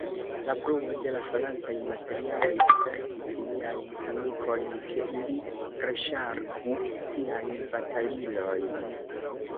La bruo de la falantaj materialoj avertis niajn amikojn, ke ili reŝargu siajn batalilojn.